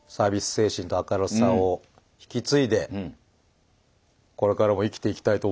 精神と明るさを引き継いでこれからも生きていきたいと思いますね。